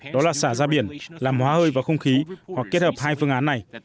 đó là xả ra biển làm hóa hơi vào không khí hoặc kết hợp hai phương án này